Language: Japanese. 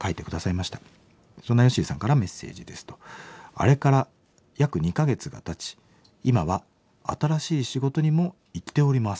「あれから約２か月がたち今は新しい仕事にも行っております」。